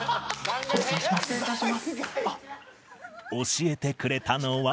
教えてくれたのは